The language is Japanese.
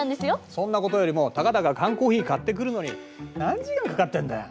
そんなことよりもたかだか缶コーヒー買ってくるのに何時間かかってんだよ？